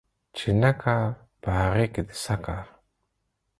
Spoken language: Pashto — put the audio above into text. چي نه کار په هغه دي څه کار.